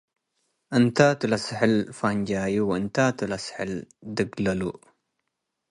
እንታቱ ለስሕል ፉንጃዩ ወእንታቱ ለስሕል ድግለሉ